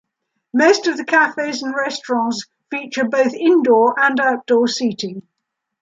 Most of the cafes and restaurants feature both indoor and outdoor seating.